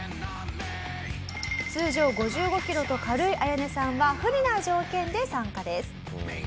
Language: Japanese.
通常５５キロと軽いアヤネさんは不利な条件で参加です。